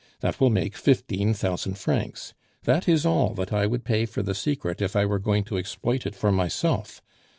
That will make fifteen thousand francs. That is all that I would pay for the secret if I were going to exploit it for myself.